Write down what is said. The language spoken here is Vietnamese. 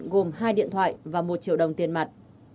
gồm hai điện thoại và một triệu đồng tiền mặt